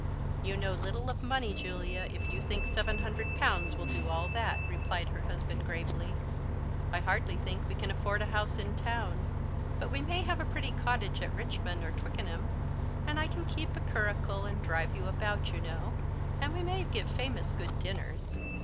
"You know little of money, Julia, if you think seven hundred pounds will do all that," replied her husband gravely. "I hardly think we can afford a house in town; but we may have a pretty cottage at Richmond or Twickenham, and I can keep a curricle, and drive you about, you know; and we may give famous good dinners."